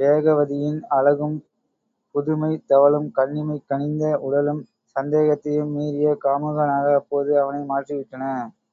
வேகவதியின் அழகும் புதுமை தவழும் கன்னிமை கனிந்த உடலும் சந்தேகத்தையும் மீறிய காமுகனாக அப்போது அவனை மாற்றிவிட்டன.